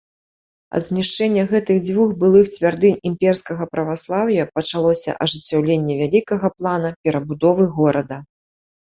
Ад знішчэння гэтых дзвюх былых цвярдынь імперскага праваслаўя пачалося ажыццяўленне вялікага плана перабудовы горада.